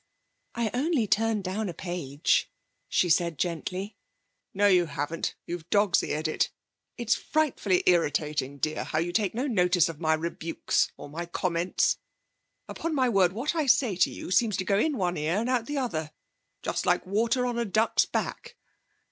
'I only turned down a page,' she said gently. 'No, you haven't; you've dog's eared it. It's frightfully irritating, dear, how you take no notice of my rebukes or my comments. Upon my word, what I say to you seems to go in at one ear and out at the other, just like water on a duck's back.'